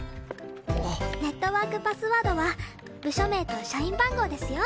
ネットワークパスワードは部署名と社員番号ですよ。